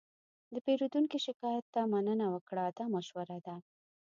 د پیرودونکي شکایت ته مننه وکړه، دا مشوره ده.